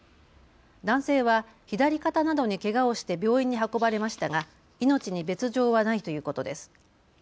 男性は左肩などにけがをして病院に運ばれましたが命に別状はないということです。